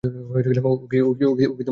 ও কি তোকে পরামর্শ দিতে জানে?